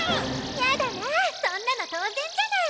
やだなそんなの当然じゃない。